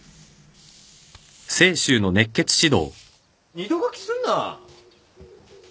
二度書きすんな！